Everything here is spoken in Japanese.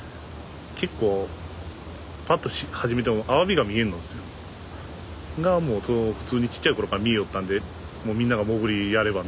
結構パッと始めてもアワビが見えんのんですよ。がもう普通にちっちゃい頃から見えよったんでもうみんなが潜りやれば？